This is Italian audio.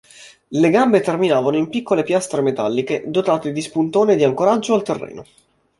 Le gambe terminavano in piccole piastre metalliche dotate di spuntone di ancoraggio al terreno.